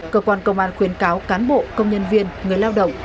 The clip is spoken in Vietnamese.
cơ quan công an khuyến cáo cán bộ công nhân viên người lao động